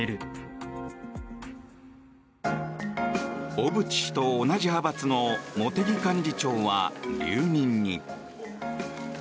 小渕氏と同じ派閥の茂木幹事長は留任に。